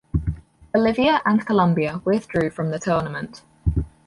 Bolivia, and Colombia withdrew from the tournament.